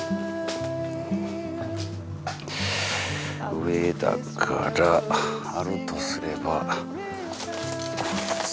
上だからあるとすればこっち。